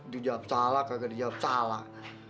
dijawab salah kagak dijawab salah